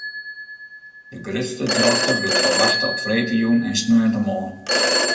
De grutste drokte wurdt ferwachte op freedtejûn en sneontemoarn.